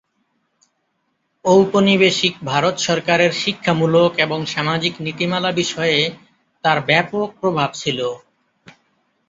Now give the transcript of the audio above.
ঔপনিবেশিক ভারত সরকারের শিক্ষামূলক এবং সামাজিক নীতিমালা বিষয়ে তার ব্যাপক প্রভাব ছিল।